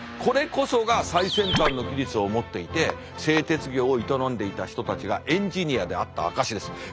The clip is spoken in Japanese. これこそが最先端の技術を持っていて製鉄業を営んでいた人たちがエンジニアであった証しです。